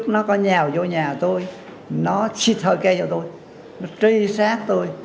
nó có nhào vô nhà tôi nó chít hơi cây vào tôi nó trí sát tôi